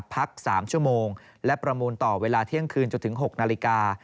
พัก๓ชั่วโมงและประมูลต่อเวลาเที่ยงคืนจนถึง๖นาฬิกา